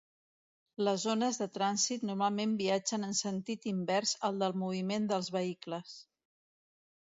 Les ones de trànsit normalment viatgen en sentit invers al del moviment dels vehicles.